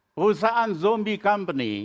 perusahaan zombie company